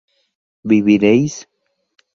¿viviréis?